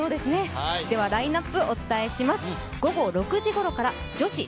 ラインナップお伝えします。